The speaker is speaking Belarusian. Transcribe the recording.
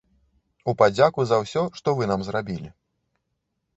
У падзяку за ўсе, што вы нам зрабілі.